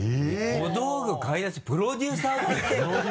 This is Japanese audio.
小道具買い出しプロデューサーがやってるの？